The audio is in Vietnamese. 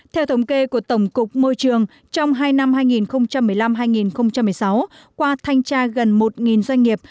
theo thống kê của tổng cục môi trường trong hai năm hai nghìn một mươi năm hai nghìn một mươi sáu qua thanh tra gần một doanh nghiệp